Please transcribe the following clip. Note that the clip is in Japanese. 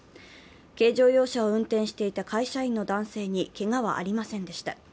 軽乗用車を運転していた会社員の男性にけがはありませんでした。